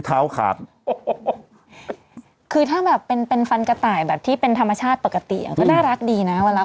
เท้าขาดโอ้โหคือถ้าแบบเป็นเป็นฟันกระต่ายแบบที่เป็นธรรมชาติปกติอ่ะก็น่ารักดีนะเวลา